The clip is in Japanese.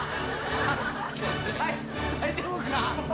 大丈夫か？